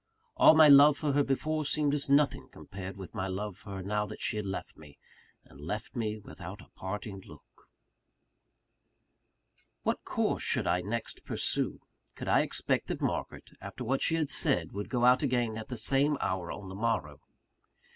All my love for her before, seemed as nothing compared with my love for her now that she had left me, and left me without a parting look. What course should I next pursue? Could I expect that Margaret, after what she had said, would go out again at the same hour on the morrow?